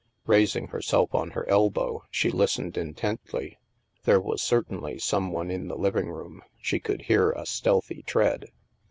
Raising herself on her elbow, she listened intently. There was certainly some one in the living room; she could hear a stealthy tread.